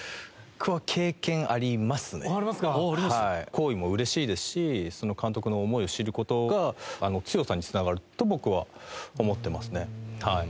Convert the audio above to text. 厚意もうれしいですし監督の思いを知る事が強さにつながると僕は思ってますねはい。